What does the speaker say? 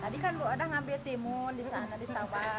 tadi kan bu odah ngambil timun disana